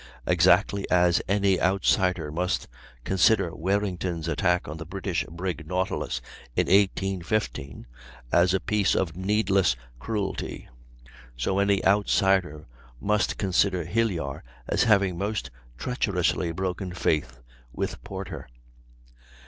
Exactly as any outsider must consider Warrington's attack on the British brig Nautilus in 1815, as a piece of needless cruelty; so any outsider must consider Hilyar as having most treacherously broken faith with Porter.